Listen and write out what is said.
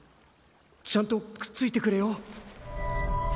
ちゃんとくっついてくれよ。